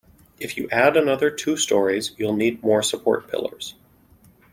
If you add another two storeys, you'll need more support pillars.